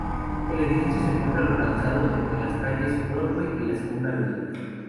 El edificio se encuentra localizado entre las calles Broadway y la Segunda Avenida.